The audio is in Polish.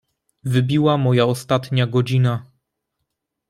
"Wybiła moja ostatnia godzina."